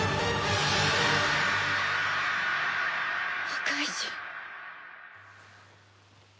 赤石！